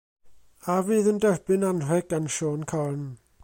A fydd yn derbyn anrheg gan Siôn Corn?